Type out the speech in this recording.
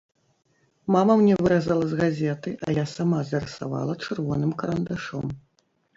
Мама мне выразала з газеты, а я сама зарысавала чырвоным карандашом.